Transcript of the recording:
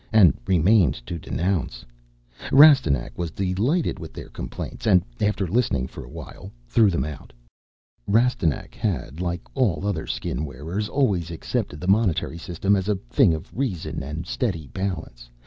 And remained to denounce. Rastignac was delighted with their complaints, and, after listening for a while, threw them out. Rastignac had, like all other Skin wearers, always accepted the monetary system as a thing of reason and steady balance.